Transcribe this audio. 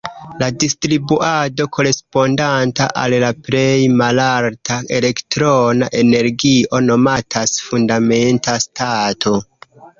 La distribuado korespondanta al la plej malalta elektrona energio nomatas "fundamenta stato".